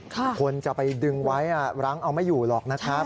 คนจะไปดึงไว้รั้งเอาไม่อยู่หรอกนะครับ